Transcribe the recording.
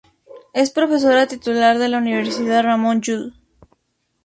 Es profesora titular de la Universidad Ramon Llull.